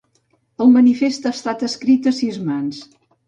El manifest ha estat escrit a sis mans.